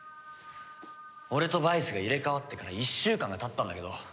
俺とバイスが入れ替わってから１週間が経ったんだけど。